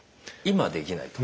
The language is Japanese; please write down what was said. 今はできないと。